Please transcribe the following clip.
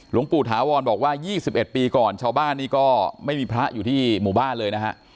หลวงปู่ถาวรบอกว่า๒๑ปีก่อนชาวบ้านนี้ก็ไม่มีพระอยู่ที่หมู่บ้านเลยนะฮะ